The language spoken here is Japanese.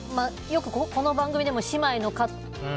よくこの番組でも姉妹の。